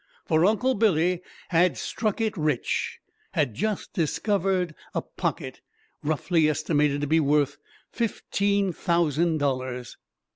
For Uncle Billy had "struck it rich" had just discovered a "pocket," roughly estimated to be worth fifteen thousand dollars!